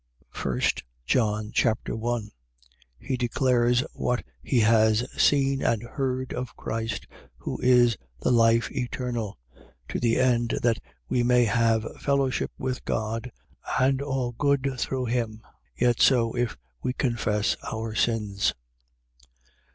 1 John Chapter 1 He declares what he has seen and heard of Christ who is the life eternal, to the end that we may have fellowship with God and all good through him. Yet so if we confess our sins.